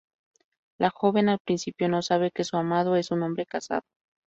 La joven al principio no sabe que su amado es un hombre casado.